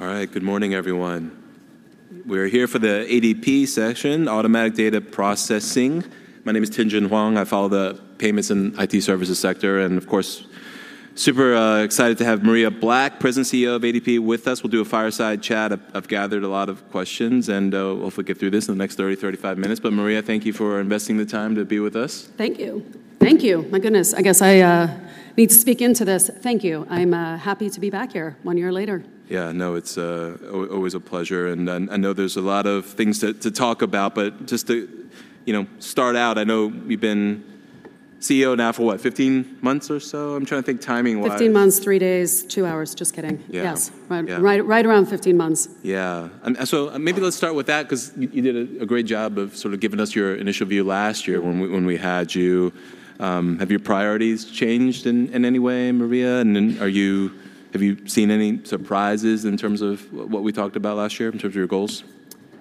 All right. Good morning, everyone. We're here for the ADP session, Automatic Data Processing. My name is Tien-Tsin Huang. I follow the payments and IT services sector, and of course, super excited to have Maria Black, President, CEO of ADP, with us. We'll do a fireside chat. I've gathered a lot of questions, and we'll hopefully get through this in the next 30-35 minutes. But Maria, thank you for investing the time to be with us. Thank you. Thank you! My goodness, I guess I need to speak into this. Thank you. I'm happy to be back here one year later. Yeah, no, it's always a pleasure, and I know there's a lot of things to talk about, but just to, you know, start out, I know you've been CEO now for what? 15 months or so? I'm trying to think timing-wise. 15 months, 3 days, 2 hours. Just kidding. Yeah. Yes. Yeah. Right, right around 15 months. Yeah. And so maybe let's start with that 'cause you did a great job of sort of giving us your initial view last year when we had you. Have your priorities changed in any way, Maria? And then, have you seen any surprises in terms of what we talked about last year, in terms of your goals?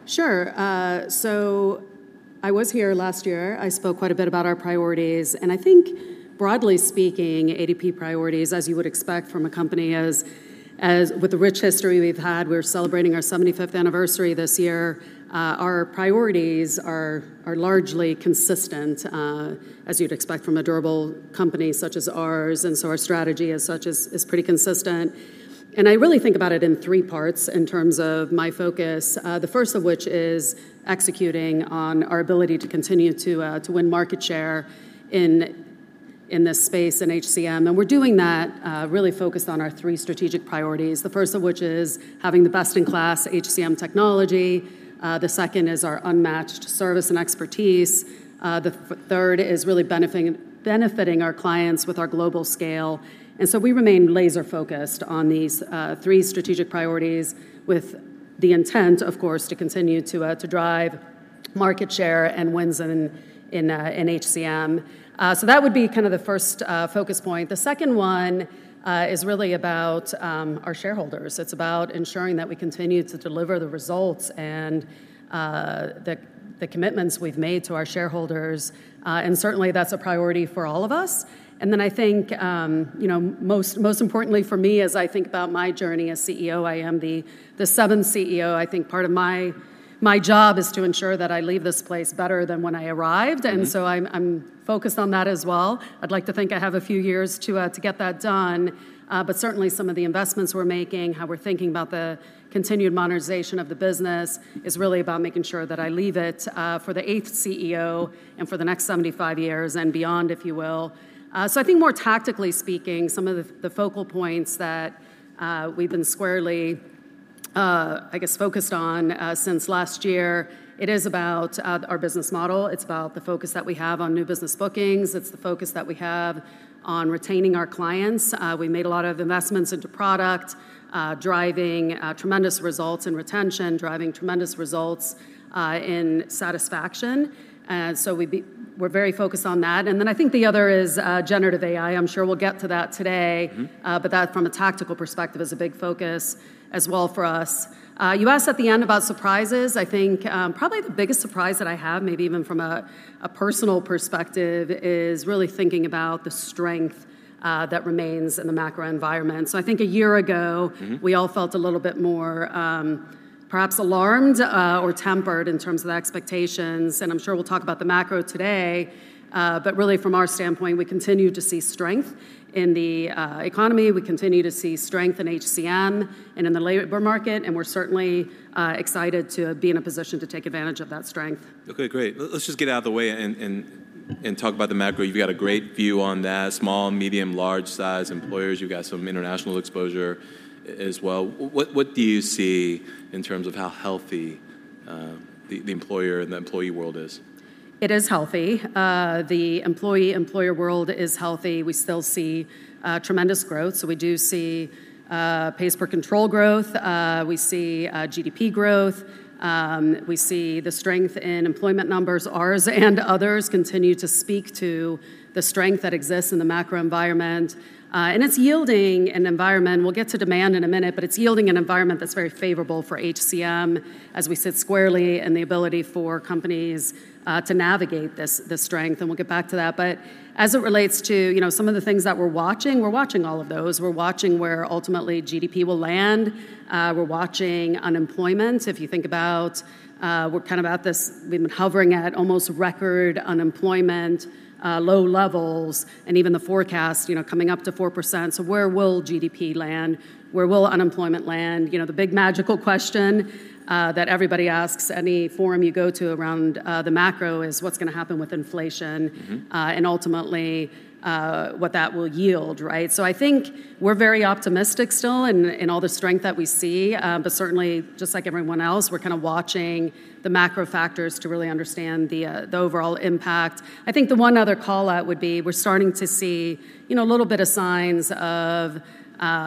Sure. So I was here last year. I spoke quite a bit about our priorities, and I think broadly speaking, ADP priorities, as you would expect from a company as with the rich history we've had, we're celebrating our 75th anniversary this year. Our priorities are largely consistent, as you'd expect from a durable company such as ours, and so our strategy as such is pretty consistent. And I really think about it in three parts in terms of my focus, the first of which is executing on our ability to continue to win market share in this space in HCM. And we're doing that, really focused on our three strategic priorities, the first of which is having the best-in-class HCM technology. The second is our unmatched service and expertise. The third is really benefiting our clients with our global scale. And so we remain laser-focused on these three strategic priorities, with the intent, of course, to continue to drive market share and wins in HCM. So that would be kind of the first focus point. The second one is really about our shareholders. It's about ensuring that we continue to deliver the results and the commitments we've made to our shareholders. And certainly, that's a priority for all of us. And then I think, you know, most importantly for me, as I think about my journey as CEO, I am the seventh CEO. I think part of my job is to ensure that I leave this place better than when I arrived, and so I'm- Mm-hmm. I'm focused on that as well. I'd like to think I have a few years to get that done. But certainly, some of the investments we're making, how we're thinking about the continued modernization of the business, is really about making sure that I leave it for the eighth CEO and for the next 75 years and beyond, if you will. So I think more tactically speaking, some of the focal points that we've been squarely focused on since last year, it is about our business model. It's about the focus that we have on new business bookings. It's the focus that we have on retaining our clients. We made a lot of investments into product, driving tremendous results in retention, driving tremendous results in satisfaction. So, we're very focused on that. And then I think the other is, Generative AI. I'm sure we'll get to that today. Mm-hmm. But that, from a tactical perspective, is a big focus as well for us. You asked at the end about surprises. I think, probably the biggest surprise that I have, maybe even from a personal perspective, is really thinking about the strength that remains in the macro environment. So I think a year ago- Mm-hmm... we all felt a little bit more, perhaps alarmed, or tempered in terms of the expectations, and I'm sure we'll talk about the macro today. But really, from our standpoint, we continue to see strength in the economy. We continue to see strength in HCM and in the labor market, and we're certainly excited to be in a position to take advantage of that strength. Okay, great. Let's just get out of the way and talk about the macro. You've got a great view on that: small, medium, large-size employers. You've got some international exposure as well. What do you see in terms of how healthy the employer and the employee world is? It is healthy. The employee-employer world is healthy. We still see tremendous growth. So we do see pace per control growth. We see GDP growth. We see the strength in employment numbers. Ours and others continue to speak to the strength that exists in the macro environment, and it's yielding an environment. We'll get to demand in a minute, but it's yielding an environment that's very favorable for HCM as we sit squarely in the ability for companies to navigate this, this strength, and we'll get back to that. But as it relates to, you know, some of the things that we're watching, we're watching all of those. We're watching where, ultimately, GDP will land. We're watching unemployment. If you think about, we're kind of at this, we've been hovering at almost record unemployment low levels, and even the forecast, you know, coming up to 4%. So where will GDP land? Where will unemployment land? You know, the big magical question that everybody asks any forum you go to around the macro, is: What's gonna happen with inflation? Mm-hmm. And ultimately, what that will yield, right? So I think we're very optimistic still in, in all the strength that we see, but certainly, just like everyone else, we're kind of watching the macro factors to really understand the, the overall impact. I think the one other call-out would be, we're starting to see, you know, a little bit of signs of,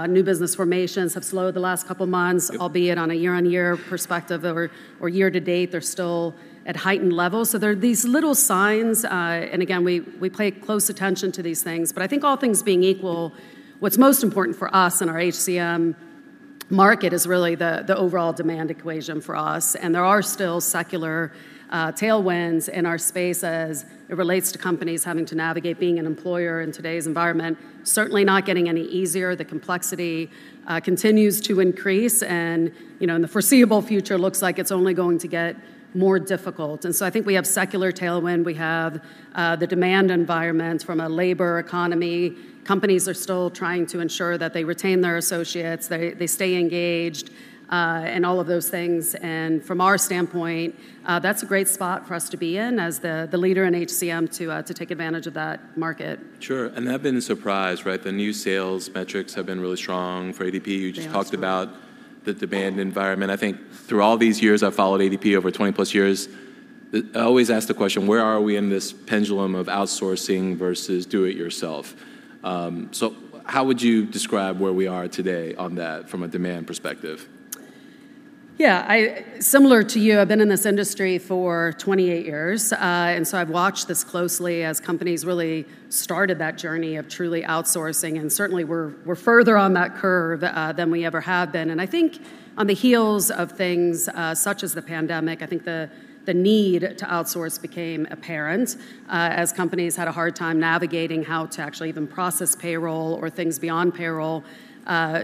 new business formations have slowed the last couple of months. Yep... albeit on a year-on-year perspective, or year to date, they're still at heightened levels. So there are these little signs, and again, we pay close attention to these things. But I think all things being equal, what's most important for us and our HCM market is really the overall demand equation for us, and there are still secular tailwinds in our space as it relates to companies having to navigate being an employer in today's environment. Certainly not getting any easier. The complexity continues to increase, and, you know, in the foreseeable future, looks like it's only going to get more difficult. And so I think we have secular tailwind. We have the demand environment from a labor economy. Companies are still trying to ensure that they retain their associates, they stay engaged, and all of those things, and from our standpoint, that's a great spot for us to be in as the leader in HCM to take advantage of that market. Sure, and I've been surprised, right? The new sales metrics have been really strong for ADP. Yeah. You just talked about the demand environment. I think through all these years, I've followed ADP over 20-plus years. I always ask the question: Where are we in this pendulum of outsourcing versus do it yourself? So how would you describe where we are today on that from a demand perspective? Yeah, similar to you, I've been in this industry for 28 years. And so I've watched this closely as companies really started that journey of truly outsourcing, and certainly we're further on that curve than we ever have been. And I think on the heels of things such as the pandemic, I think the need to outsource became apparent as companies had a hard time navigating how to actually even process payroll or things beyond payroll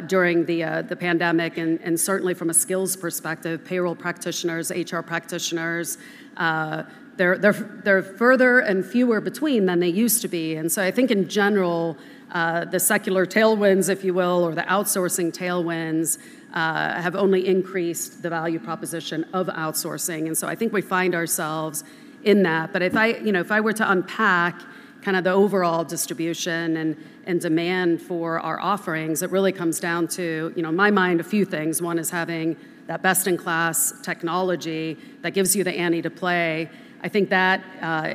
during the pandemic. And certainly from a skills perspective, payroll practitioners, HR practitioners, they're further and fewer between than they used to be. And so I think in general, the secular tailwinds, if you will, or the outsourcing tailwinds, have only increased the value proposition of outsourcing, and so I think we find ourselves in that. But if I, you know, if I were to unpack kind of the overall distribution and demand for our offerings, it really comes down to, you know, in my mind, a few things. One is having that best-in-class technology that gives you the ante to play. I think that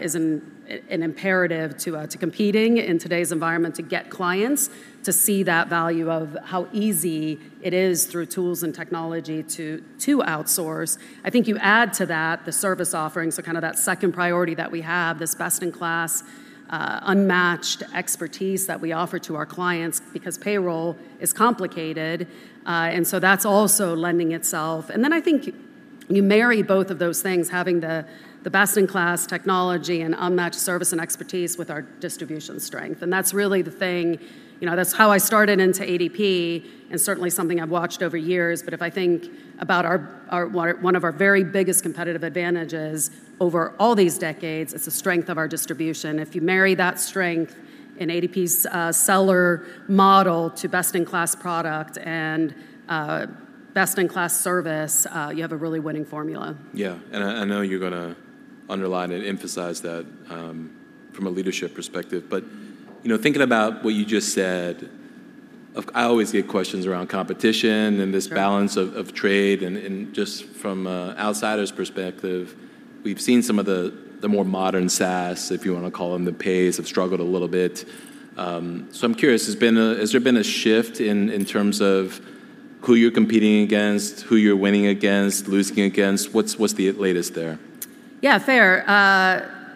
is an imperative to competing in today's environment, to get clients to see that value of how easy it is through tools and technology to outsource. I think you add to that the service offerings, so kind of that second priority that we have, this best-in-class unmatched expertise that we offer to our clients, because payroll is complicated. And so that's also lending itself. And then I think you marry both of those things, having the best-in-class technology and unmatched service and expertise with our distribution strength, and that's really the thing. You know, that's how I started into ADP, and certainly something I've watched over years. But if I think about our one of our very biggest competitive advantages over all these decades, it's the strength of our distribution. If you marry that strength in ADP's seller model to best-in-class product and best-in-class service, you have a really winning formula. Yeah, and I know you're gonna underline and emphasize that from a leadership perspective, but, you know, thinking about what you just said, I always get questions around competition and this- Sure... balance of trade, and just from an outsider's perspective, we've seen some of the more modern SaaS, if you wanna call 'em, the Pays, have struggled a little bit. So I'm curious, has there been a shift in terms of who you're competing against, who you're winning against, losing against? What's the latest there? Yeah, fair.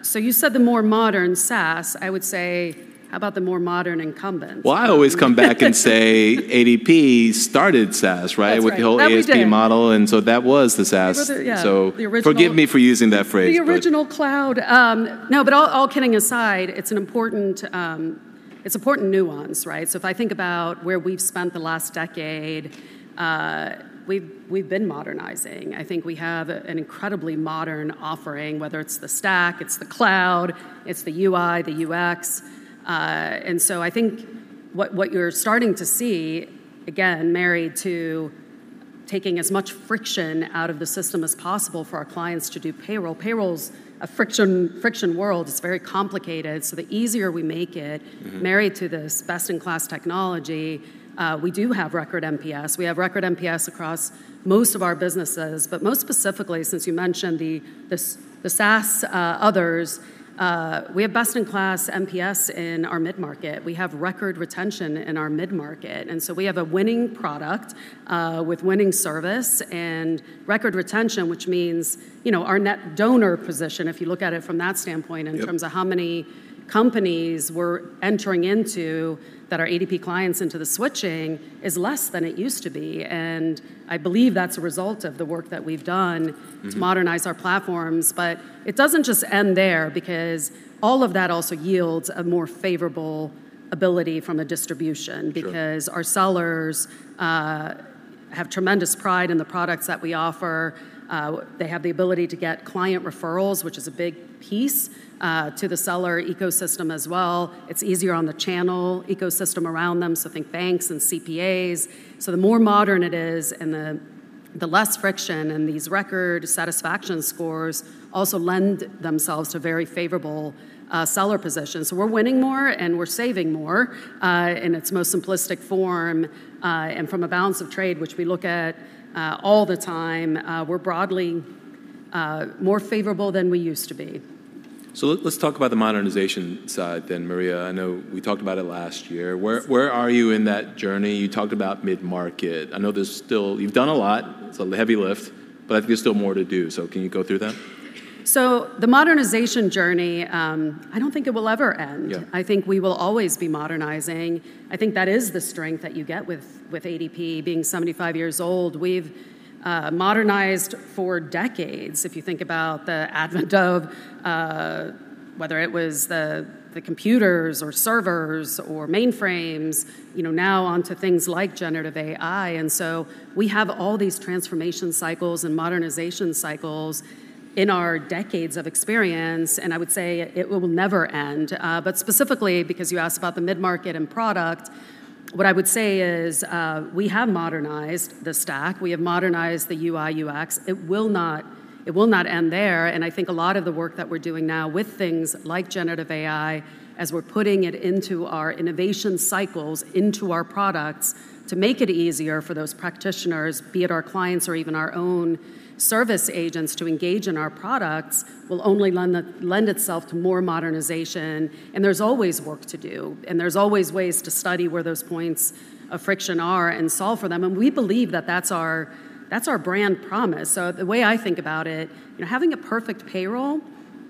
So you said the more modern SaaS. I would say, how about the more modern incumbents? Well, I always come back and say ADP started SaaS, right? That's right. We did. With the whole ADP model, and so that was the SaaS. It was, yeah. So- The original- Forgive me for using that phrase, but- The original cloud. No, but all, all kidding aside, it's an important, it's important nuance, right? So if I think about where we've spent the last decade, we've, we've been modernizing. I think we have an incredibly modern offering, whether it's the stack, it's the cloud, it's the UI, the UX. And so I think what, what you're starting to see, again, married to taking as much friction out of the system as possible for our clients to do payroll. Payroll's a friction, friction world. It's very complicated, so the easier we make it- Mm-hmm... married to this best-in-class technology, we do have record NPS. We have record MPS across most of our businesses, but most specifically, since you mentioned the SaaS others, we have best-in-class NPS in our mid-market. We have record retention in our mid-market. And so we have a winning product with winning service and record retention, which means, you know, our net donor position, if you look at it from that standpoint- Yep... in terms of how many companies we're entering into that are ADP clients into the switching, is less than it used to be, and I believe that's a result of the work that we've done- Mm... to modernize our platforms. But it doesn't just end there, because all of that also yields a more favorable ability from a distribution- Sure... because our sellers have tremendous pride in the products that we offer. They have the ability to get client referrals, which is a big piece to the seller ecosystem as well. It's easier on the channel ecosystem around them, so think banks and CPAs. So the more modern it is, and the less friction, and these record satisfaction scores also lend themselves to very favorable seller position. So we're winning more, and we're saving more in its most simplistic form, and from a balance of trade, which we look at all the time, we're broadly more favorable than we used to be. So let's talk about the modernization side then, Maria. I know we talked about it last year. Yes. Where, where are you in that journey? You talked about mid-market. I know there's still... You've done a lot, it's a heavy lift, but I think there's still more to do. So can you go through that? ... The modernization journey, I don't think it will ever end. Yeah. I think we will always be modernizing. I think that is the strength that you get with ADP being 75 years old. We've modernized for decades. If you think about the advent of whether it was the computers or servers or mainframes, you know, now onto things like Generative AI. And so we have all these transformation cycles and modernization cycles in our decades of experience, and I would say it will never end. But specifically, because you asked about the mid-market and product, what I would say is, we have modernized the stack. We have modernized the UI, UX. It will not, it will not end there, and I think a lot of the work that we're doing now with things like generative AI, as we're putting it into our innovation cycles, into our products, to make it easier for those practitioners, be it our clients or even our own service agents, to engage in our products, will only lend itself to more modernization. There's always work to do, and there's always ways to study where those points of friction are and solve for them, and we believe that that's our brand promise. So the way I think about it, you know, having a perfect payroll,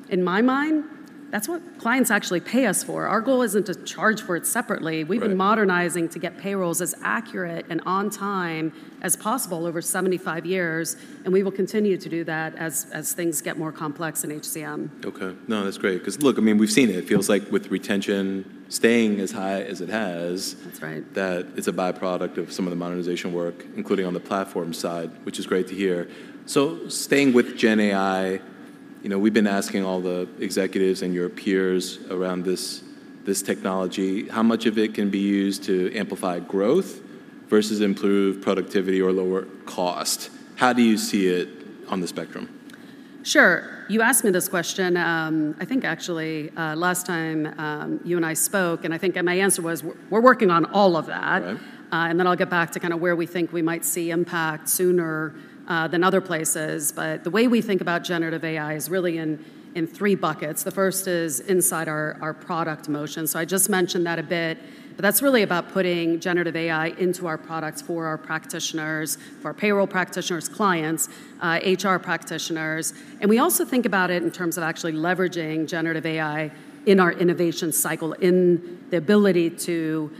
in my mind, that's what clients actually pay us for. Our goal isn't to charge for it separately. Right. We've been modernizing to get payrolls as accurate and on time as possible over 75 years, and we will continue to do that as things get more complex in HCM. Okay. No, that's great, 'cause look, I mean, we've seen it. It feels like with retention staying as high as it has- That's right... that it's a by-product of some of the modernization work, including on the platform side, which is great to hear. So staying with Gen AI, you know, we've been asking all the executives and your peers around this, this technology, how much of it can be used to amplify growth versus improve productivity or lower cost? How do you see it on the spectrum? Sure. You asked me this question, I think actually, last time, you and I spoke, and I think, and my answer was, "We're, we're working on all of that. Right. And then I'll get back to kinda where we think we might see impact sooner than other places. But the way we think about Generative AI is really in three buckets. The first is inside our product motion. So I just mentioned that a bit, but that's really about putting Generative AI into our products for our practitioners, for our payroll practitioners, clients, HR practitioners. And we also think about it in terms of actually leveraging Generative AI in our innovation cycle, in the ability to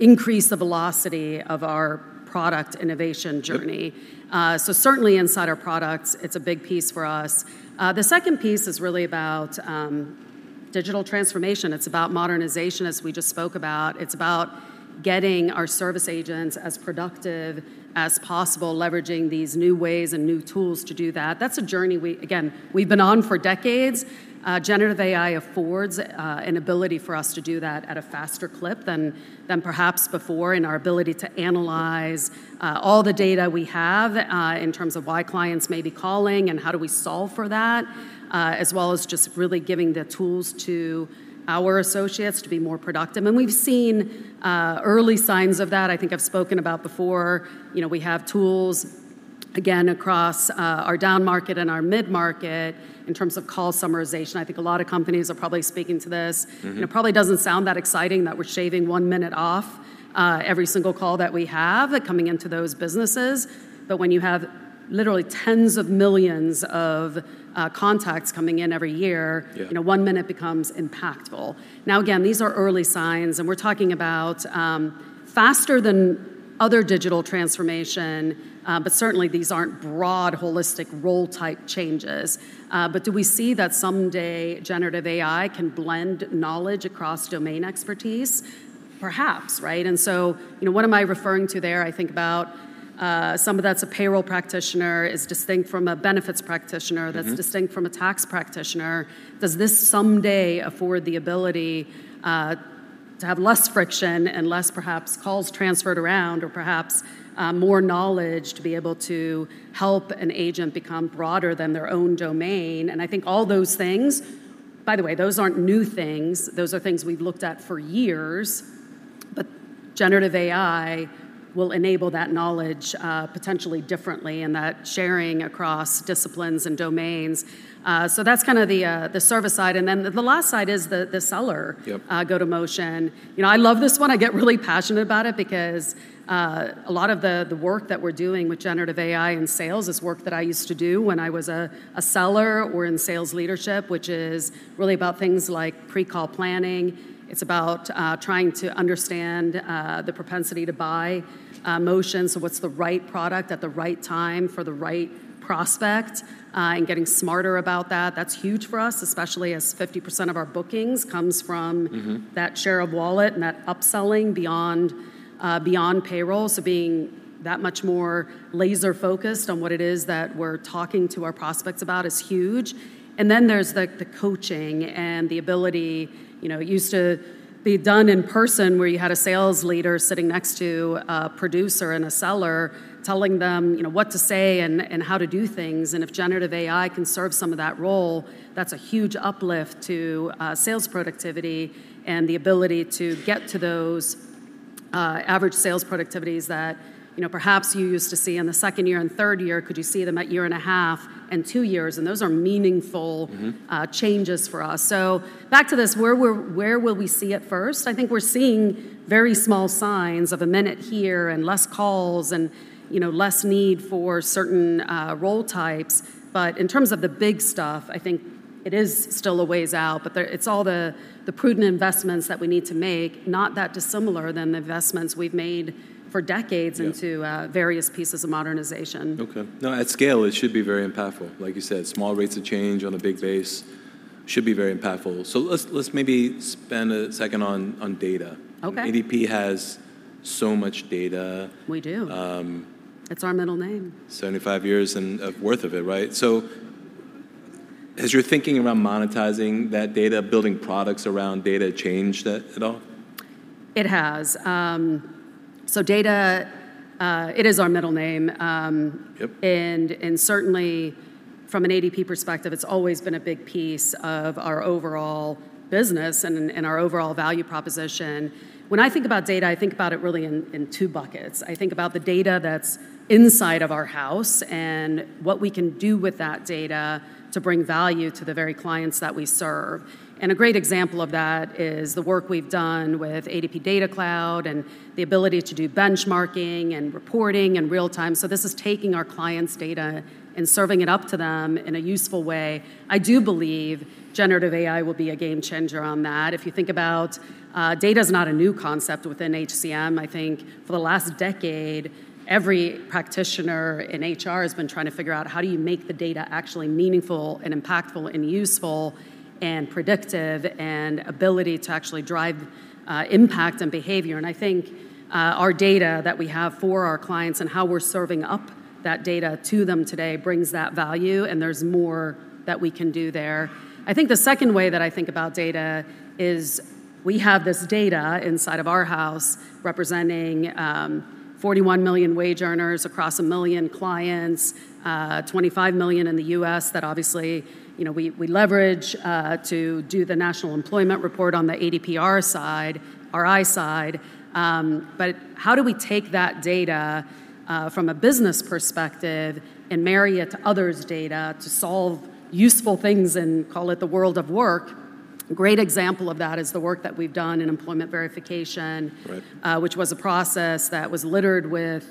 increase the velocity of our product innovation journey. Right. So certainly inside our products, it's a big piece for us. The second piece is really about digital transformation. It's about modernization, as we just spoke about. It's about getting our service agents as productive as possible, leveraging these new ways and new tools to do that. That's a journey we, again, we've been on for decades. Generative AI affords an ability for us to do that at a faster clip than perhaps before, in our ability to analyze all the data we have in terms of why clients may be calling and how do we solve for that, as well as just really giving the tools to our associates to be more productive. And we've seen early signs of that. I think I've spoken about before, you know, we have tools, again, across our down market and our mid-market in terms of call summarization. I think a lot of companies are probably speaking to this. Mm-hmm. It probably doesn't sound that exciting that we're shaving one minute off every single call that we have coming into those businesses. But when you have literally tens of millions of contacts coming in every year- Yeah... you know, one minute becomes impactful. Now, again, these are early signs, and we're talking about faster than other digital transformation, but certainly, these aren't broad, holistic, role-type changes. But do we see that someday generative AI can blend knowledge across domain expertise? Perhaps, right? And so, you know, what am I referring to there? I think about someone that's a payroll practitioner is distinct from a benefits practitioner- Mm-hmm... that's distinct from a tax practitioner. Does this someday afford the ability to have less friction and less, perhaps, calls transferred around, or perhaps more knowledge to be able to help an agent become broader than their own domain? And I think all those things... By the way, those aren't new things. Those are things we've looked at for years. But Generative AI will enable that knowledge potentially differently, and that sharing across disciplines and domains. So that's kinda the service side, and then the last side is the seller- Yep... go-to motion. You know, I love this one. I get really passionate about it because, a lot of the, the work that we're doing with generative AI in sales is work that I used to do when I was a, a seller or in sales leadership, which is really about things like pre-call planning. It's about, trying to understand, the propensity to buy, motion, so what's the right product at the right time for the right prospect, and getting smarter about that. That's huge for us, especially as 50% of our bookings comes from- Mm-hmm... that share of wallet and that upselling beyond beyond payroll. So being that much more laser-focused on what it is that we're talking to our prospects about is huge. And then there's the coaching and the ability... You know, it used to be done in person, where you had a sales leader sitting next to a producer and a seller, telling them, you know, what to say and how to do things. And if generative AI can serve some of that role, that's a huge uplift to sales productivity and the ability to get to those-... average sales productivities that, you know, perhaps you used to see in the second year and third year, could you see them at year and a half and two years? And those are meaningful- Mm-hmm. Changes for us. So back to this, where will we see it first? I think we're seeing very small signs of a minute here, and less calls, and, you know, less need for certain role types. But in terms of the big stuff, I think it is still a ways out, but there, it's all the prudent investments that we need to make, not that dissimilar than the investments we've made for decades. Yeah... into, various pieces of modernization. Okay. Now, at scale, it should be very impactful. Like you said, small rates of change on a big base should be very impactful. So let's, let's maybe spend a second on, on data. Okay. ADP has so much data. We do. Um- It's our middle name. 75 years and worth of it, right? So has your thinking around monetizing that data, building products around data, changed that at all? It has. So data, it is our middle name. Yep... and certainly from an ADP perspective, it's always been a big piece of our overall business and our overall value proposition. When I think about data, I think about it really in two buckets. I think about the data that's inside of our house and what we can do with that data to bring value to the very clients that we serve. And a great example of that is the work we've done with ADP DataCloud and the ability to do benchmarking and reporting in real time. So this is taking our clients' data and serving it up to them in a useful way. I do believe generative AI will be a game changer on that. If you think about, data is not a new concept within HCM. I think for the last decade, every practitioner in HR has been trying to figure out, how do you make the data actually meaningful, and impactful, and useful, and predictive, and ability to actually drive, impact and behavior? And I think, our data that we have for our clients and how we're serving up that data to them today brings that value, and there's more that we can do there. I think the second way that I think about data is we have this data inside of our house representing, 41 million wage earners across 1 million clients, twenty-five million in the U.S. that obviously, you know, we, we leverage, to do the ADP National Employment Report on the ADP Research Institute side. But how do we take that data, from a business perspective and marry it to others' data to solve useful things and call it the world of work? A great example of that is the work that we've done in employment verification- Right... which was a process that was littered with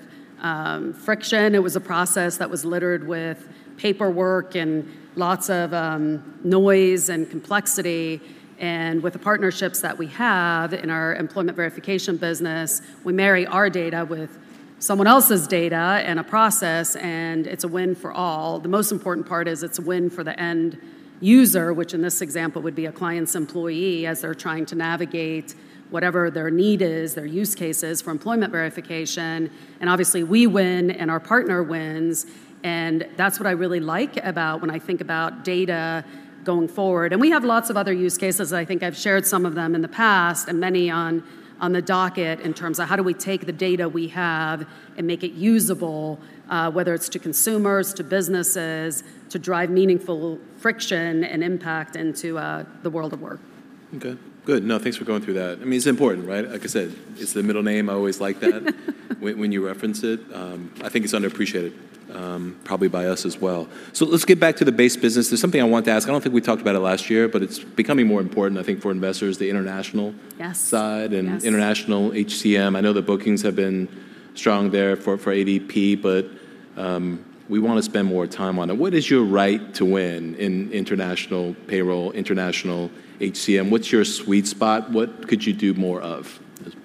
friction. It was a process that was littered with paperwork and lots of noise and complexity. And with the partnerships that we have in our employment verification business, we marry our data with someone else's data and a process, and it's a win for all. The most important part is it's a win for the end user, which in this example, would be a client's employee, as they're trying to navigate whatever their need is, their use cases for employment verification. And obviously, we win, and our partner wins, and that's what I really like about when I think about data going forward. And we have lots of other use cases. I think I've shared some of them in the past and many on the docket in terms of how do we take the data we have and make it usable, whether it's to consumers, to businesses, to drive meaningful friction and impact into the world of work. Okay. Good. No, thanks for going through that. I mean, it's important, right? Like I said, it's the middle name. I always like that when you reference it. I think it's underappreciated, probably by us as well. So let's get back to the base business. There's something I wanted to ask. I don't think we talked about it last year, but it's becoming more important, I think, for investors, the international- Yes... side- Yes... and international HCM. I know the bookings have been strong there for ADP, but we want to spend more time on it. What is your right to win in international payroll, international HCM? What's your sweet spot? What could you do more of?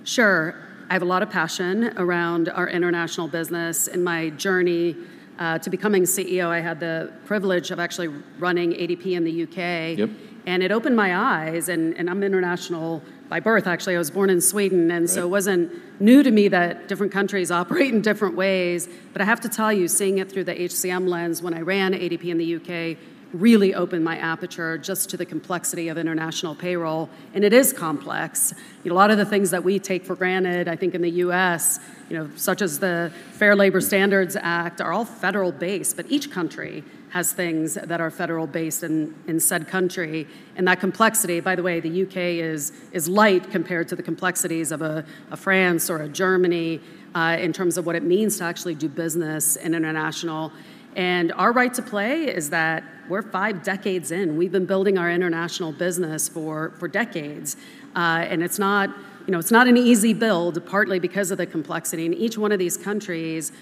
Sure. I have a lot of passion around our international business. In my journey to becoming CEO, I had the privilege of actually running ADP in the U.K. Yep. It opened my eyes, and I'm international by birth, actually. I was born in Sweden- Right... and so it wasn't new to me that different countries operate in different ways. But I have to tell you, seeing it through the HCM lens when I ran ADP in the U.K., really opened my aperture just to the complexity of international payroll, and it is complex. You know, a lot of the things that we take for granted, I think in the U.S., you know, such as the Fair Labor Standards Act, are all federal-based, but each country has things that are federal-based in said country. And that complexity, by the way, the U.K. is light compared to the complexities of a France or a Germany, in terms of what it means to actually do business in international. And our right to play is that we're five decades in. We've been building our international business for decades. It's not, you know, it's not an easy build, partly because of the complexity. In each one of these countries,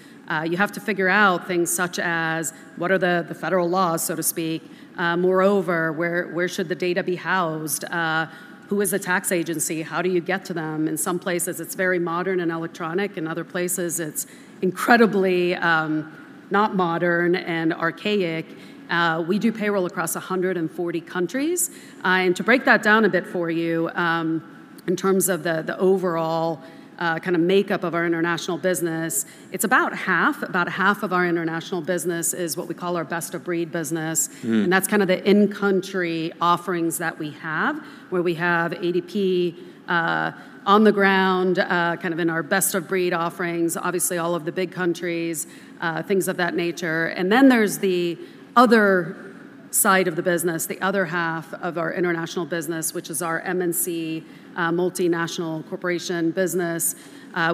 you have to figure out things such as: What are the federal laws, so to speak? Moreover, where should the data be housed? Who is the tax agency? How do you get to them? In some places, it's very modern and electronic. In other places, it's incredibly not modern and archaic. We do payroll across 140 countries. And to break that down a bit for you, in terms of the overall kinda makeup of our international business, it's about half. About half of our international business is what we call our best-of-breed business. Mm. And that's kind of the in-country offerings that we have, where we have ADP on the ground, kind of in our best-of-breed offerings, obviously, all of the big countries, things of that nature. And then there's the other side of the business, the other half of our international business, which is our MNC multinational corporation business,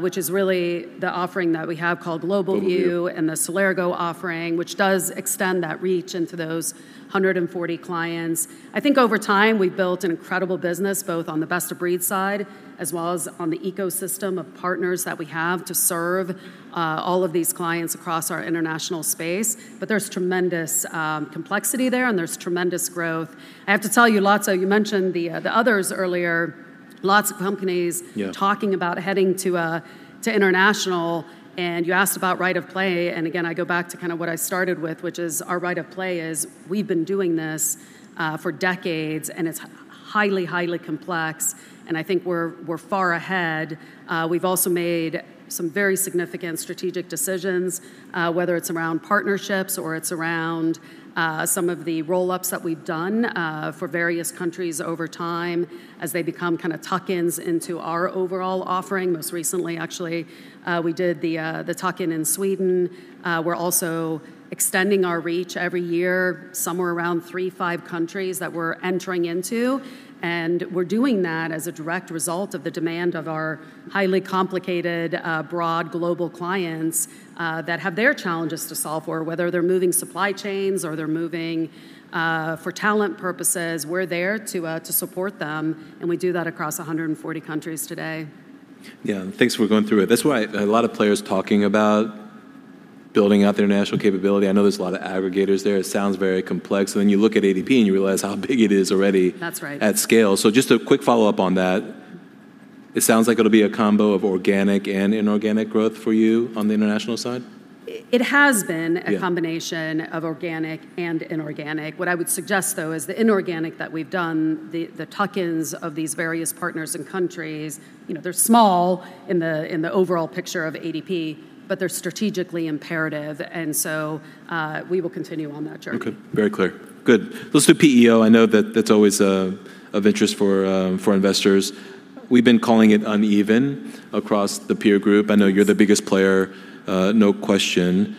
which is really the offering that we have called GlobalView- GlobalView... and the Celergo offering, which does extend that reach into those 140 clients. I think over time, we've built an incredible business, both on the best-of-breed side, as well as on the ecosystem of partners that we have to serve all of these clients across our international space. But there's tremendous complexity there, and there's tremendous growth. I have to tell you, lots of... You mentioned the others earlier, lots of companies- Yeah... talking about heading to international, and you asked about right of play. And again, I go back to kind of what I started with, which is our right of play is, we've been doing this for decades, and it's highly, highly complex, and I think we're far ahead. We've also made some very significant strategic decisions, whether it's around partnerships or it's around some of the roll-ups that we've done for various countries over time as they become kind of tuck-ins into our overall offering. Most recently, actually, we did the tuck-in in Sweden. We're also extending our reach every year, somewhere around 3-5 countries that we're entering into, and we're doing that as a direct result of the demand of our highly complicated, broad global clients, that have their challenges to solve for. Whether they're moving supply chains or they're moving, for talent purposes, we're there to, to support them, and we do that across 140 countries today. Yeah. Thanks for going through it. That's why a lot of players talking about building out the international capability. I know there's a lot of aggregators there. It sounds very complex, and then you look at ADP, and you realize how big it is already. That's right. at scale. So just a quick follow-up on that. It sounds like it'll be a combo of organic and inorganic growth for you on the international side? It has been- Yeah A combination of organic and inorganic. What I would suggest, though, is the inorganic that we've done, the tuck-ins of these various partners and countries, you know, they're small in the overall picture of ADP, but they're strategically imperative, and so, we will continue on that journey. Okay, very clear. Good. Let's do PEO. I know that's always of interest for investors. We've been calling it uneven across the peer group. I know you're the biggest player, no question.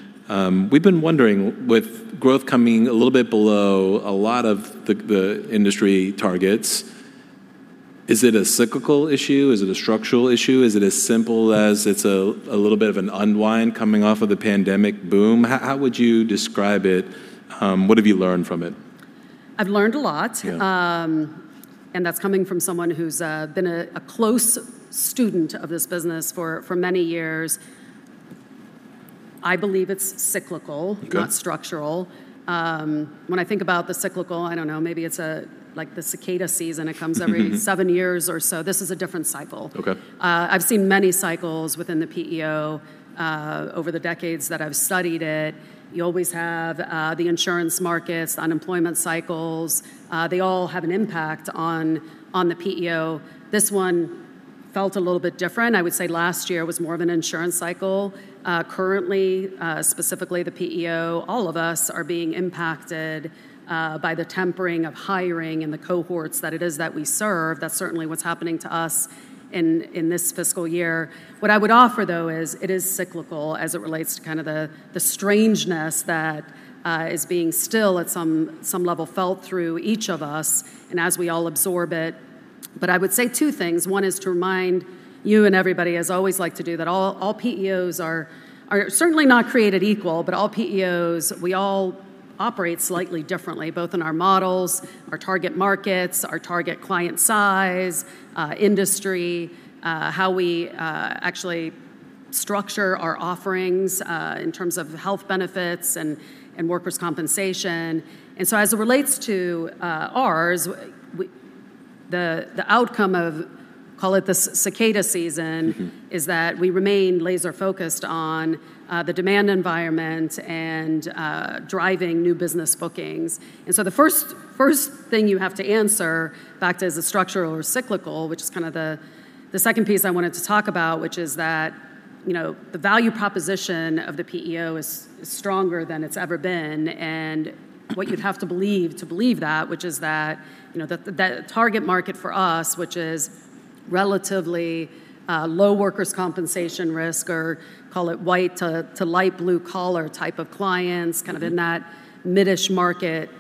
We've been wondering, with growth coming a little bit below a lot of the industry targets, is it a cyclical issue? Is it a structural issue? Is it as simple as it's a little bit of an unwind coming off of the pandemic boom? How would you describe it? What have you learned from it? I've learned a lot. Yeah. That's coming from someone who's been a close student of this business for many years. I believe it's cyclical. Okay... not structural. When I think about the cyclical, I don't know, maybe it's a, like the cicada season, it comes every- Mm-hmm... seven years or so. This is a different cycle. Okay. I've seen many cycles within the PEO over the decades that I've studied it. You always have the insurance markets, unemployment cycles. They all have an impact on the PEO. This one felt a little bit different. I would say last year was more of an insurance cycle. Currently, specifically the PEO, all of us are being impacted by the tempering of hiring and the cohorts that it is that we serve. That's certainly what's happening to us in this fiscal year. What I would offer, though, is it is cyclical as it relates to kind of the strangeness that is being still at some level felt through each of us and as we all absorb it. But I would say two things. One is to remind you and everybody, as I always like to do, that all PEOs are certainly not created equal, but all PEOs, we all operate slightly differently, both in our models, our target markets, our target client size, industry, how we actually structure our offerings, in terms of health benefits and workers' compensation. And so, as it relates to ours, the outcome of, call it the cicada season- Mm-hmm... is that we remain laser-focused on the demand environment and driving new business bookings. And so the first, first thing you have to answer back to as a structural or cyclical, which is kind of the second piece I wanted to talk about, which is that, you know, the value proposition of the PEO is stronger than it's ever been. And what you'd have to believe to believe that, which is that, you know, the target market for us, which is relatively low workers' compensation risk, or call it white to light blue-collar type of clients, kind of in that mid-ish market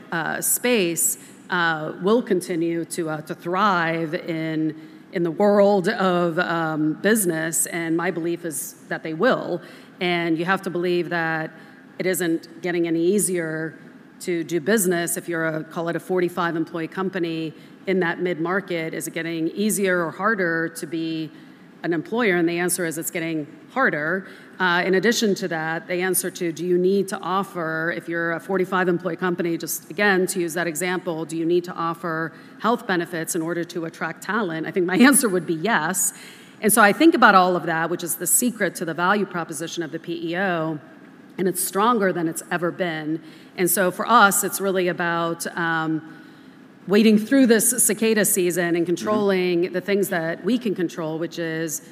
space, will continue to thrive in the world of business, and my belief is that they will. And you have to believe that it isn't getting any easier to do business if you're a, call it, a 45-employee company in that mid-market. Is it getting easier or harder to be an employer? And the answer is, it's getting harder. In addition to that, the answer to: do you need to offer... if you're a 45-employee company, just again, to use that example, do you need to offer health benefits in order to attract talent? I think my answer would be yes. And so I think about all of that, which is the secret to the value proposition of the PEO, and it's stronger than it's ever been. And so for us, it's really about, waiting through this cicada season- Mm-hmm... and controlling the things that we can control, which is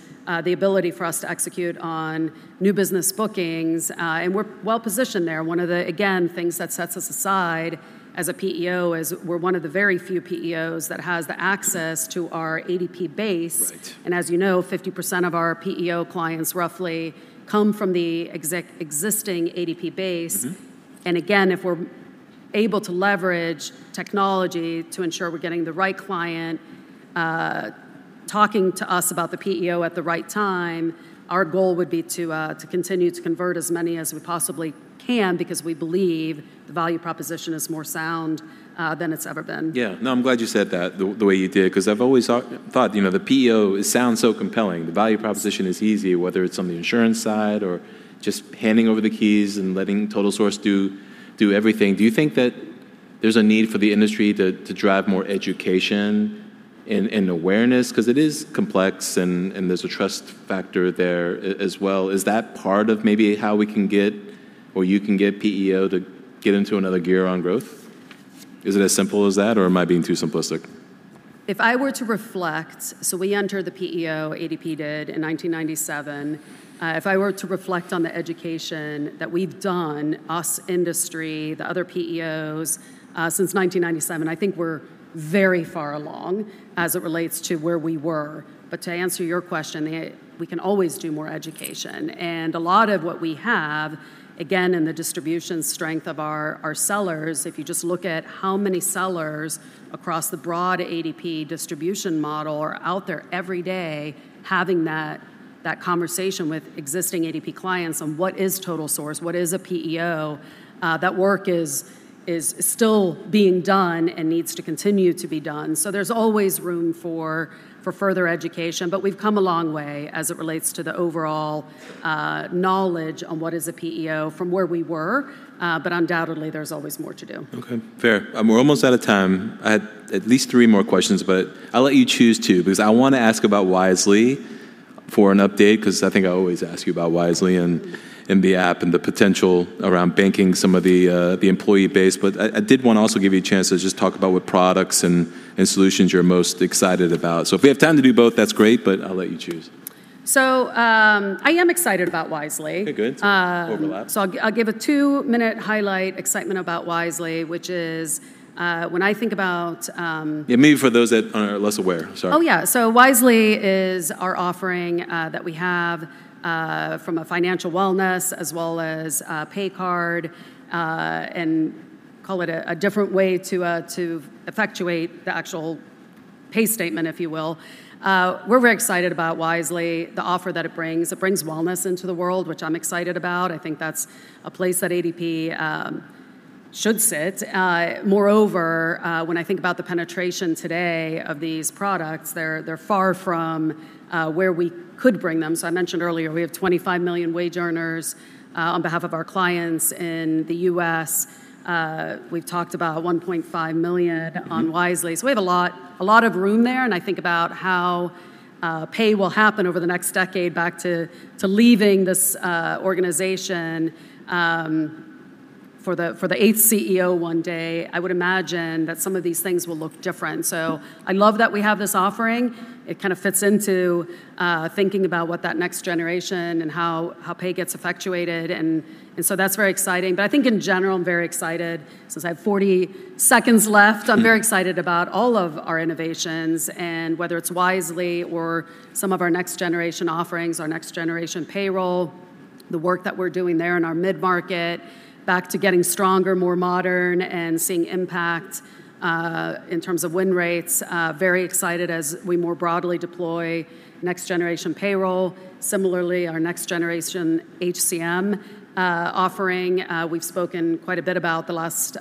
the ability for us to execute on new business bookings. And we're well-positioned there. One of the, again, things that sets us aside as a PEO is we're one of the very few PEOs that has the access to our ADP base. Right. As you know, 50% of our PEO clients roughly come from the existing ADP base. Mm-hmm. Again, if we're able to leverage technology to ensure we're getting the right client talking to us about the PEO at the right time, our goal would be to continue to convert as many as we possibly can because we believe the value proposition is more sound than it's ever been. Yeah. No, I'm glad you said that the way you did, 'cause I've always thought, you know, the PEO, it sounds so compelling. The value proposition is easy, whether it's on the insurance side or just handing over the keys and letting TotalSource do everything. Do you think that there's a need for the industry to drive more education and awareness? 'Cause it is complex, and there's a trust factor there as well. Is that part of maybe how we can get or you can get PEO to get into another gear on growth? Is it as simple as that, or am I being too simplistic? If I were to reflect, so we entered the PEO, ADP did, in 1997. If I were to reflect on the education that we've done, us, industry, the other PEOs, since 1997, I think we're very far along as it relates to where we were. But to answer your question, we can always do more education, and a lot of what we have, again, in the distribution strength of our, our sellers, if you just look at how many sellers across the broad ADP distribution model are out there every day, having that, that conversation with existing ADP clients on: What is TotalSource? What is a PEO? That work is still being done and needs to continue to be done. So there's always room for further education, but we've come a long way as it relates to the overall knowledge on what is a PEO from where we were, but undoubtedly, there's always more to do. Okay, fair. We're almost out of time. I had at least three more questions, but I'll let you choose two, because I want to ask about Wisely for an update, 'cause I think I always ask you about Wisely and the app, and the potential around banking some of the employee base. But I did wanna also give you a chance to just talk about what products and solutions you're most excited about. So if we have time to do both, that's great, but I'll let you choose. I am excited about Wisely. Okay, good. Overlap. So I'll give a two-minute highlight excitement about Wisely, which is, when I think about. Yeah, maybe for those that are less aware. Sorry. Oh, yeah. So Wisely is our offering, that we have, from a financial wellness as well as a pay card, and call it a, a different way to, to effectuate the actual pay statement, if you will. We're very excited about Wisely, the offer that it brings. It brings wellness into the world, which I'm excited about. I think that's a place that ADP should sit. Moreover, when I think about the penetration today of these products, they're far from where we could bring them. So I mentioned earlier, we have 25 million wage earners, on behalf of our clients in the U.S. We've talked about 1.5 million on Wisely. So we have a lot, a lot of room there, and I think about how pay will happen over the next decade back to leaving this organization for the eighth CEO one day. I would imagine that some of these things will look different. So I love that we have this offering. It kind of fits into thinking about what that next generation and how pay gets effectuated, and so that's very exciting. But I think in general, I'm very excited. Since I have 40 seconds left, I'm very excited about all of our innovations and whether it's Wisely or some of our next-generation offerings, our next-generation payroll, the work that we're doing there in our mid-market, back to getting stronger, more modern, and seeing impact in terms of win rates. Very excited as we more broadly deploy next-generation payroll. Similarly, our next-generation HCM offering, we've spoken quite a bit about the last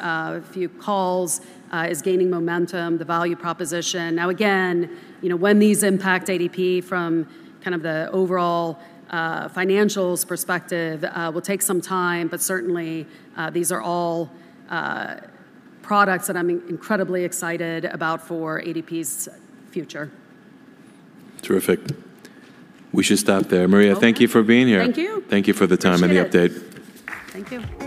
few calls, is gaining momentum, the value proposition. Now, again, you know, when these impact ADP from kind of the overall financials perspective, will take some time, but certainly these are all products that I'm incredibly excited about for ADP's future. Terrific. We should stop there. Maria, thank you for being here. Thank you. Thank you for the time and the update. Appreciate it. Thank you.